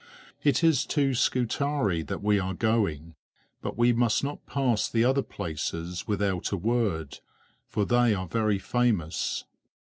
It is to Scutari that we are going, but we must not pass the other places without a word, for they are very famous.